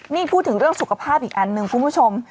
นี่พูดถึงเรื่องสุขภาพอีกอันหนึ่งคุณผู้ชม